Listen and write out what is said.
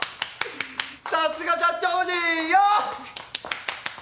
さすが社長夫人よっ！